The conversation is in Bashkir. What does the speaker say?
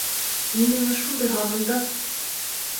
Мин уны шундай һағындым!